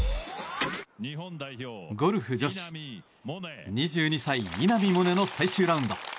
ゴルフ女子、２２歳稲見萌寧の最終ラウンド。